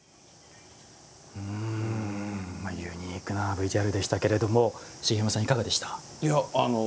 ユニークなＶＴＲでしたけれども茂山さん、いかがですか。